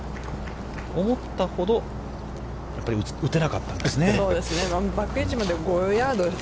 思ったほどやっぱり打てなかったんですね。